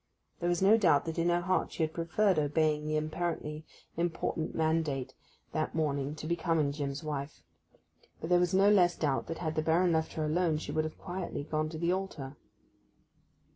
There was no doubt that in her heart she had preferred obeying the apparently important mandate that morning to becoming Jim's wife; but there was no less doubt that had the Baron left her alone she would quietly have gone to the altar.